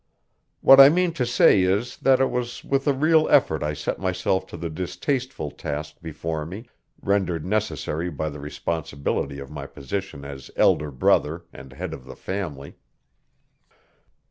What I mean to say is that it was with a real effort I set myself to the distasteful task before me, rendered necessary by the responsibility of my position as elder brother and head of the family.